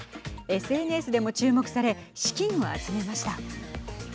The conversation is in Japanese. ＳＮＳでも注目され資金を集めました。